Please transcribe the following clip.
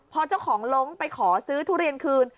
พอเจ้าของลงไปขอซื้อทุเรียนคืน